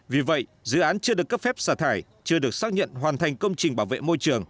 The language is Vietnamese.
vì vậy dự án chưa được cấp phép xả thải chưa được xác nhận hoàn thành công trình bảo vệ môi trường